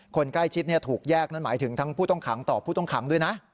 คนใกล้ชิดถูกแยกนั่นหมายถึงทั้งผู้ต้องขังต่อผู้ต้องขังด้วยนะ